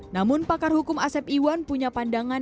namun pakar hukum asep iwan punya pandangan